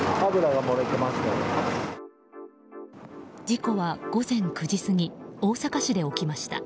事故は午前９時過ぎ大阪市で起きました。